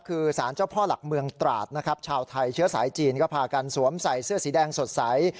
คือสารเจ้าพ่อหลักเมืองตราดนะครับชาวไทยเชื้อสายจีนก็พากันสวมใส่เสื้อสีแดงสดใส